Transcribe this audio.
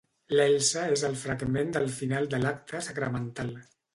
L'Elsa és el fragment del final de l'acte sacramental.